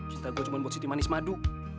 cinta gue cuma buat siti manis madu